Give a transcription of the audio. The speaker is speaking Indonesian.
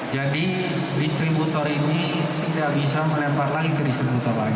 jadi distributor ini tidak bisa menempar lagi ke distributor lain